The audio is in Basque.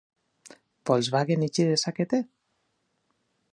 Volkswagen itxi dezakete?